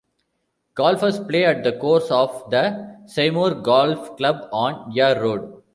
Golfers play at the course of the Seymour Golf Club on Yea Road.